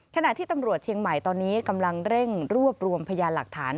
ขณะที่ตำรวจเชียงใหม่ตอนนี้กำลังเร่งรวบรวมพยานหลักฐาน